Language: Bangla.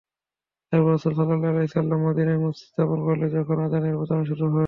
তারপর রাসূলুল্লাহ সাল্লাল্লাহু আলাইহি ওয়াসাল্লাম মদীনায় মসজিদ স্থাপন করলে যখন আযানের প্রচলন শুরু হল।